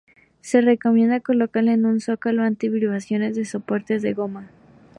Se recomienda colocarla en un zócalo anti-vibraciones sobre soportes de goma.